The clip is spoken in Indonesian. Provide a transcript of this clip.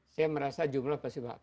saya merasa jumlah pasti banyak